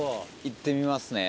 行ってみますね。